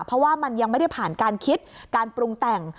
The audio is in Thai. เพราะว่ามันยังไม่ได้ผ่านการคิดการปรุงแต่ง